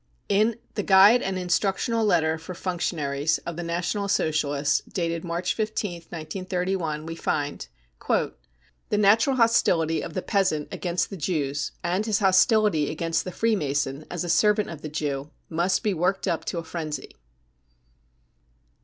55 In the " Guide and Instructional Letter for Function aries 55 of the National Socialists^ dated March 15/2 1931, we find : £C The natural hostility of the peasant against the Jews, and his hostility against the Freemason as a servant of the Jew, must be worked up to a frenzy.